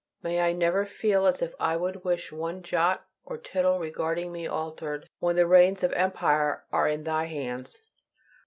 May I never feel as if I would wish one jot or tittle regarding me altered, when the reins of empire are in Thy hands.